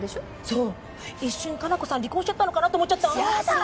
そう一瞬果奈子さん離婚しちゃったのかなって思っちゃったそうそう！